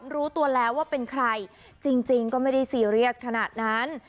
รู้ตัวแล้วว่าเป็นใครจริงก็ไม่ได้ซีเรียสขนาดนั้น